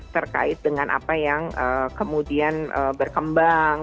terkait dengan apa yang kemudian berkembang